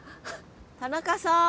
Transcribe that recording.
田中さん。